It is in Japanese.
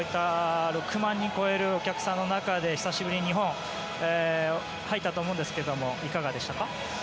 ６万人を超えるお客さんの中で久しぶりに入ったと思うんですがいかがでしたか？